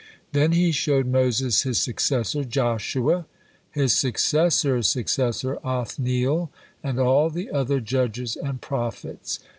Then He showed Moses his successor Joshua, his successor's successor, Othniel, and all the other judges and prophets.